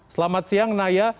selamat siang naya